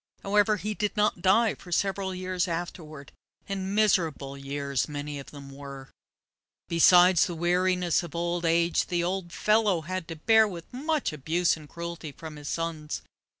However, he did not die for several years afterward, and miserable years many of them were. Besides the weariness of old age, the old fellow had to bear with much abuse and cruelty from his sons.